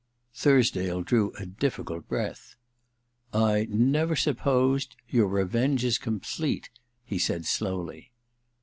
* Thursdale drew a difficult breath. * I never supposed— your revenge is complete,' he ssud slowly.